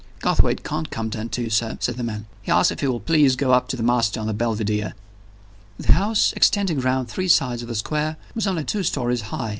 "Garthwaite can't come down to you, sir," said the man. "He asks, if you will please go up to the master on the Belvidere." The house extending round three sides of a square was only two stories high.